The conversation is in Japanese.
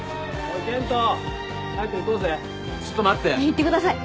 行ってください。